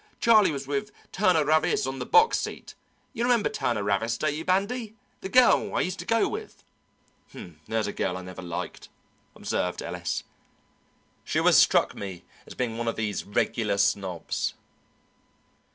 Charlie was with Turner Ravis on the box seat. You remember Turner Ravis, don't you, Bandy? The girl I used to go with." "There's a girl I never liked," observed Ellis. "She always struck me as being one of these regular snobs."